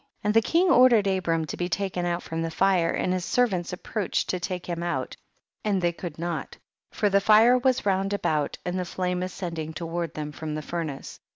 29. And the king ordered Abram to be taken out from the fire ; and his servants approached to take him out and they could not, for the fire was round about and the flame ascend ing toward them from the furnace.